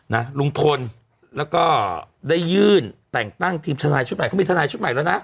นะลุงพลแล้วก็ได้ยื่นแต่งตั้งทีมทนายชุดใหม่เขามีทนายชุดใหม่แล้วนะ